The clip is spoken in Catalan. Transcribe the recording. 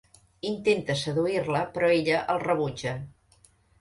Intenta seduir-la, però ella el rebutja.